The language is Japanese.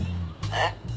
えっ？